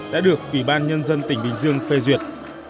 đã được ủy ban nhân dân tỉnh bình dương phê duyệt